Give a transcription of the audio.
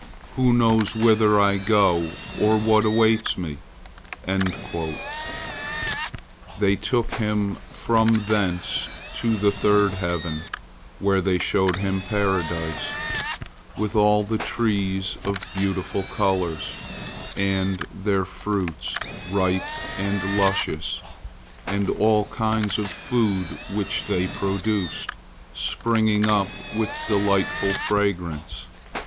Who knows whither I go, or what awaits me?" They took him from thence to the third heaven, where they showed him Paradise, with all the trees of beautiful colors, and their fruits, ripe and luscious, and all kinds of food which they produced, springing up with delightful fragrance.